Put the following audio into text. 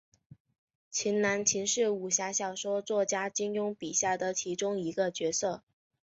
秦南琴是武侠小说作家金庸笔下的其中一个角色。